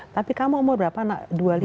tapi kamu umur berapa anak